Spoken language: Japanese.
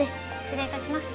失礼いたします。